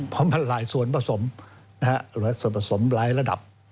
เพราะมันหลายส่วนผสมส่วนผสมหลายระดับ